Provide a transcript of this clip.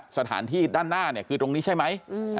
สถานที่ด้านหน้าเนี่ยคือตรงนี้ใช่ไหม